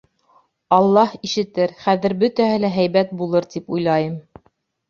Аллаһ ишетер, хәҙер бөтәһе лә һәйбәт булыр, тип уйлайым.